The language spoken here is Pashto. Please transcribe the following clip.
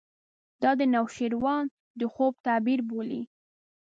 دا د نوشیروان د خوب تعبیر بولي.